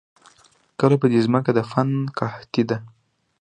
کله په دې زمکه د فن قحطي ده